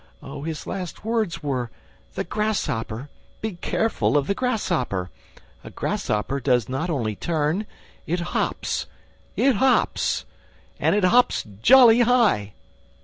Oh, his last words were, 'The grasshopper! Be careful of the grasshopper! A grasshopper does not only turn: it hops! It hops! And it hops jolly high!'"